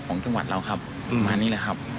ของจังหวัดเราครับมานี่แหละครับ